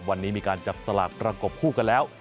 วันนี้มีการจับสลากประกบคู่กันแล้ว